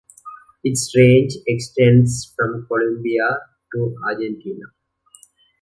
Its range extends from Colombia to Argentina.